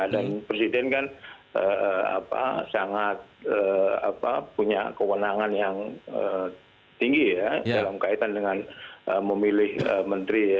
dan presiden kan sangat punya kewenangan yang tinggi dalam kaitan dengan memilih menteri